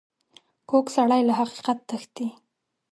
کوږ سړی له حقیقت تښتي